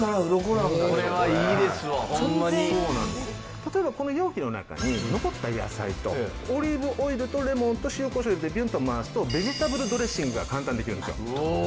例えばこの容器の中に残った野菜とオリーブオイルとレモンと塩こしょう入れてビュンと回すとベジタブルドレッシングが簡単にできるんですよ。